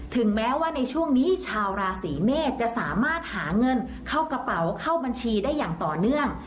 ถึงแม้ว่าในช่วงนี้ชาวราศีเมษจะสามารถหาเงินเข้ากระเป๋าเข้าบัญชีได้อย่างต่อเนื่อง